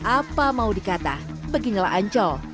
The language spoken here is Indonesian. apa mau dikata beginilah ancol